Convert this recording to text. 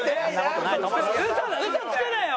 嘘つくなよ！